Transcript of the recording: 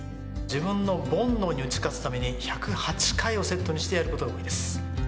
自分の煩悩に打ち勝つために１０８回をセットにしてやることが多いです。